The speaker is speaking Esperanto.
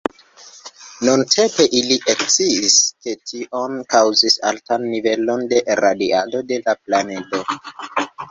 Nuntempe ili eksciis, ke tion kaŭzis altan nivelon de radiado de la planedo.